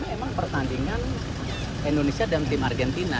memang pertandingan indonesia dan tim argentina